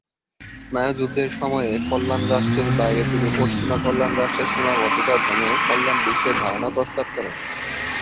স্নায়ুযুদ্ধের সময়ে, কল্যাণ রাষ্ট্রের বাইরে তিনি পশ্চিমা কল্যাণ রাষ্ট্রের সীমাবদ্ধতা ভেঙ্গে কল্যাণ বিশ্বের ধারণা প্রস্তাব করেন।